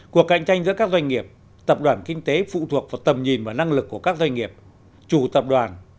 cuộc cạnh tranh giữa các doanh nghiệp tập đoàn kinh tế phụ thuộc vào tầm nhìn và năng lực của các doanh nghiệp chủ tập đoàn